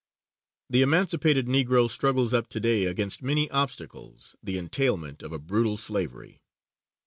The emancipated Negro struggles up to day against many obstacles, the entailment of a brutal slavery.